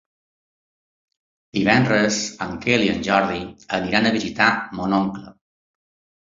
Divendres en Quel i en Jordi aniran a visitar mon oncle.